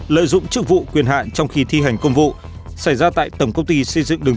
lợi dụng chức vụ quyền hạn trong khi thi hành công vụ xảy ra tại tổng công ty xây dựng đường